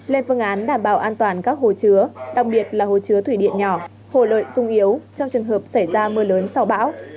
lên phương án đảm bảo an toàn các hồ chứa đặc biệt là hồ chứa thủy điện nhỏ hồ lợi sung yếu trong trường hợp xảy ra mưa lớn sau bão